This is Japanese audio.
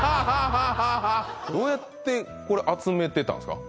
どうやってこれ集めてたんですか？